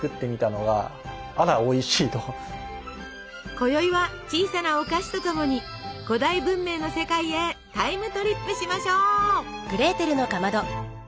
こよいは小さなお菓子とともに古代文明の世界へタイムトリップしましょう！